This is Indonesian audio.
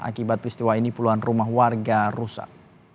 akibat peristiwa ini puluhan rumah warga rusak